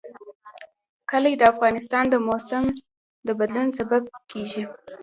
کلي د افغانستان د موسم د بدلون سبب کېږي.